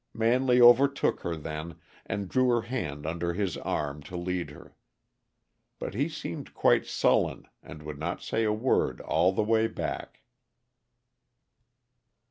Manley overtook her then, and drew her hand under his arm to lead her. But he seemed quite sullen, and would not say a word all the way back.